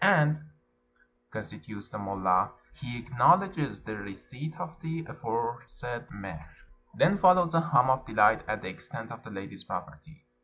"And," con tinues the mullah, " he acknowledges the receipt of the aforesaid mehr.'' Then follows a hum of delight at the extent of the lady's property.